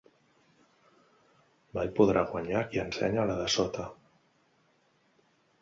Mai podrà guanyar qui ensenya la de sota.